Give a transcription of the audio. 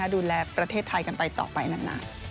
ดูแลประเทศไทยกันไปต่อไปนาน